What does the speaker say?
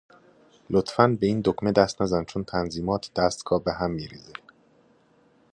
لطفا به این دکمه دست نزن چون تنظیمات دستگاه بهم میریزه.